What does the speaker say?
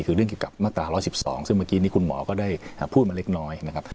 คือเรื่องเกี่ยวกับมาตรา๑๑๒ซึ่งเมื่อกี้นี้คุณหมอก็ได้พูดมาเล็กน้อยนะครับ